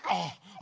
あ。